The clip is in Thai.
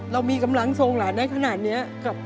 เรามีกำลังทรงหลานได้ขนาดนี้